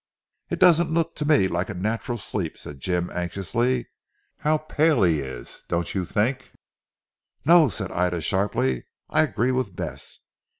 "It doesn't look to me like a natural sleep," said Jim anxiously. "How pale he is! Don't you think " "No," said Ida sharply, "I agree with Bess.